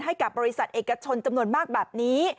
ให้กับบริษัทเอกชนจำนวนมากแบบนี้